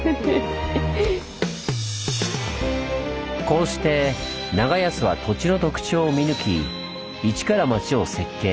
こうして長安は土地の特徴を見抜き一から町を設計。